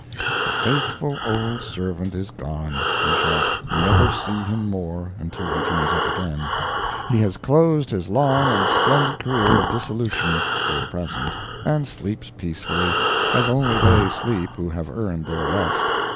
The faithful old servant is gone! We shall never see him more until he turns up again. He has closed his long and splendid career of dissolution, for the present, and sleeps peacefully, as only they sleep who have earned their rest.